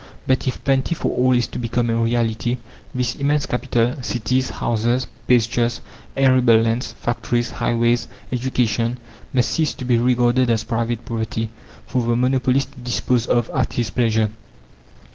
But, if plenty for all is to become a reality, this immense capital cities, houses, pastures, arable lands, factories, highways, education must cease to be regarded as private property, for the monopolist to dispose of at his pleasure.